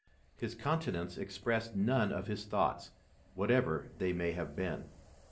His countenance expressed none of his thoughts, whatever they may have been.